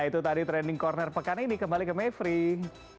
itu tadi trending corner pekan ini kembali ke maverick